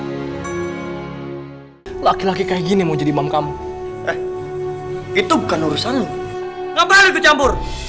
hai hai hai hai hai laki laki kayak gini mau jadi bangkam eh itu bukan urusan lu ngambil ke campur